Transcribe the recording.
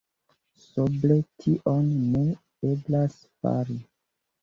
Sobre tion ne eblas fari.